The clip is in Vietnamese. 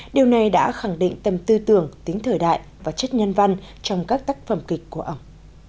điều này đã khẳng định tầm tư tưởng tính thời đại và chất nhân văn trong các tác phẩm kịch của ông